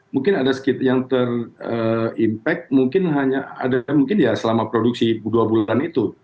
mungkin ada yang terimpact mungkin hanya ada mungkin ya selama produksi dua bulan itu